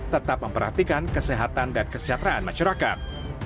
tetap memperhatikan kesehatan dan kesejahteraan masyarakat